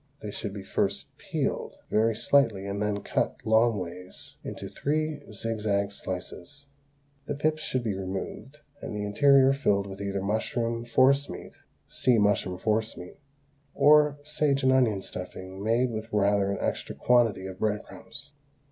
They should be first peeled very slightly and then cut, long ways, into three zigzag slices; the pips should be removed and the interior filled with either mushroom forcemeat (see MUSHROOM FORCEMEAT) or sage and onion stuffing made with rather an extra quantity of bread crumbs.